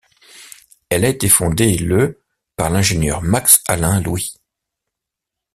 Elle a été fondée le par l'ingénieur Max Alain Louis.